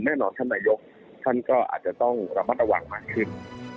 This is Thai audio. แน่นอนท่านนายกท่านก็อาจจะต้องระมัดระวังมากขึ้น